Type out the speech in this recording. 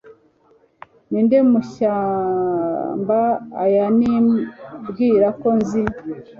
Ninde mashyamba aya nibwira ko nzi